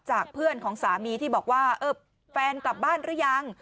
เพื่อนของสามีที่บอกว่าเออแฟนกลับบ้านหรือยัง